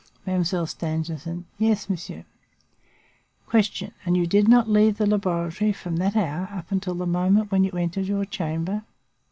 "Mademoiselle Stangerson. Yes, monsieur. "Q. And you did not leave the laboratory from that hour up to the moment when you entered your chamber?